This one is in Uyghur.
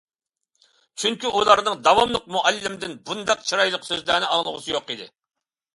چۈنكى ئۇلارنىڭ داۋاملىق مۇئەللىمدىن بۇنداق «چىرايلىق» سۆزلەرنى ئاڭلىغۇسى يوق ئىدى.